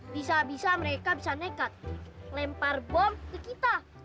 bisa bisa mereka bisa nekat lempar bom ke kita